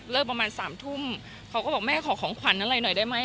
ประมาณสามทุ่มเขาก็บอกแม่ขอของขวัญอะไรหน่อยได้ไหม